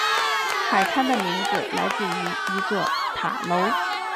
海滩的名字来自于一座塔楼。